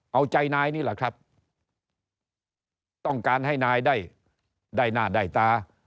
เอาใจนายนี่แหละครับต้องการให้นายได้ได้หน้าได้ตา